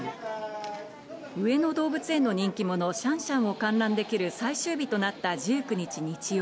上野動物園の人気者、シャンシャンを観覧できる最終日となった１９日日曜。